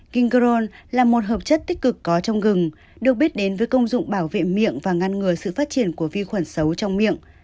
kinh gron là một hợp chất tích cực có trong gừng được biết đến với công dụng bảo vệ miệng và ngăn ngừa sự phát triển của vi khuẩn xấu trong miệng